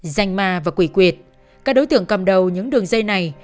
danh ma và quỷ quyệt các đối tượng cầm đầu những đường dây này